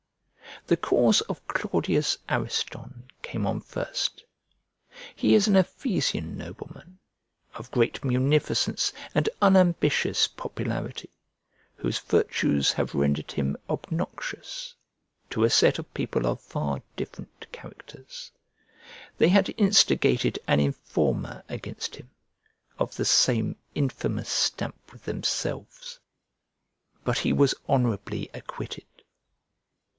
The cause of Claudius Ariston came on first. He is an Ephesian nobleman, of great munificence and unambitious popularity, whose virtues have rendered him obnoxious to a set of people of far different characters; they had instigated an informer against him, of the same infamous stamp with themselves; but he was honourably acquitted.